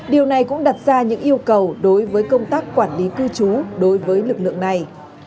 điều này cũng đặt ra những yêu cầu đối với công tác quản lý cư trú đối với lực lượng này